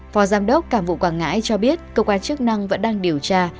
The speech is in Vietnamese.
phó giám đốc cảng vụ quảng ngãi cho biết cơ quan chức năng vẫn đang điều tra